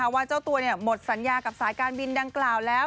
ว่าเจ้าตัวหมดสัญญากับสายการบินดังกล่าวแล้ว